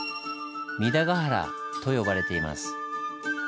「弥陀ヶ原」と呼ばれています。